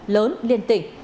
lớn liên tỉnh